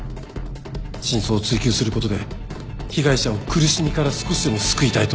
真相を追求することで被害者を苦しみから少しでも救いたいと。